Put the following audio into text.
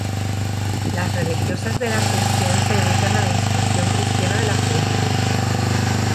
Las religiosas de la Asunción se dedican a la instrucción cristiana de la juventud.